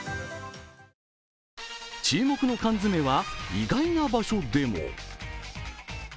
注目の缶詰は意外な場所でも。